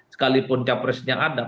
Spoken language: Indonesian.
sekalipun capresnya ada